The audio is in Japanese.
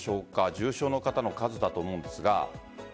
重症の方の数だと思うんですが。